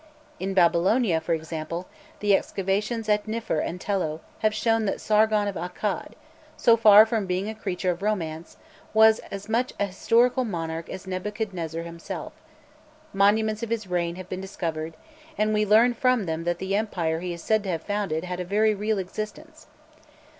In Babylonia, for example, the excavations at Niffer and Tello have shown that Sargon of Akkad, so far from being a creature of romance, was as much a historical monarch as Nebuchadrezzar himself; monuments of his reign have been discovered, and we learn from them that the empire he is said to have founded had a very real existence.